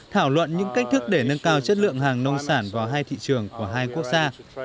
thảo luận những cách thức để nâng cao chất lượng hàng nông sản vào hai thị trường của hai quốc gia